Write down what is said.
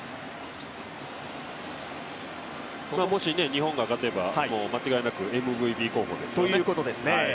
日本が勝てば間違いなくＭＶＰ候補ですね。